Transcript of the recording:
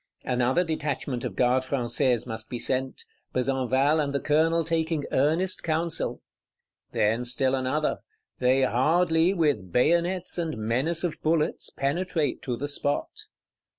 Another detachment of Gardes Françaises must be sent; Besenval and the Colonel taking earnest counsel. Then still another; they hardly, with bayonets and menace of bullets, penetrate to the spot.